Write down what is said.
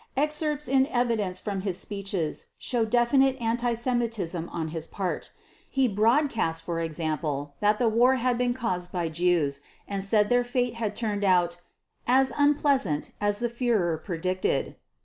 Excerpts in evidence from his speeches show definite anti Semitism on his part. He broadcast, for example, that the war had been caused by Jews and said their fate had turned out "as unpleasant as the Führer predicted."